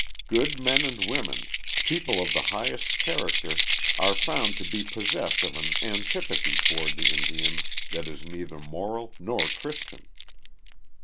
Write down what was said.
Good men and women, people of the highest character, are found to be possessed of an antipathy towards the Indian that is neither moral nor christian.